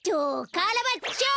カラバッチョ！